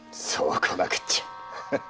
そうこなくっちゃ！